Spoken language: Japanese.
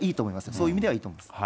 そういう意味ではいいと思います。